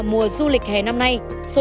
số lượng khách du lịch đến quảng bình là một